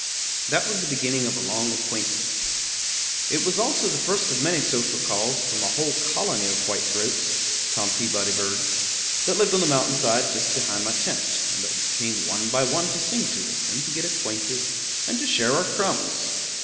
That was the beginning of a long acquaintance. It was also the first of many social calls from a whole colony of white throats (Tom Peabody birds) that lived on the mountain side just behind my tent, and that came one by one to sing to us, and to get acquainted, and to share our crumbs.